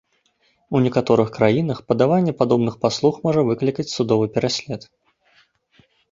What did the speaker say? У некаторых краінах падаванне падобных паслуг можа выклікаць судовы пераслед.